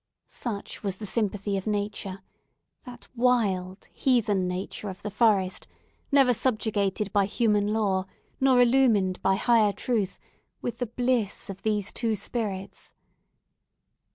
Such was the sympathy of Nature—that wild, heathen Nature of the forest, never subjugated by human law, nor illumined by higher truth—with the bliss of these two spirits!